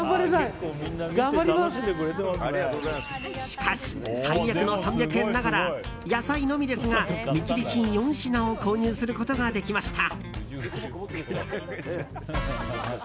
しかし、最悪の３００円ながら野菜のみですが見切り品４品を購入することができました。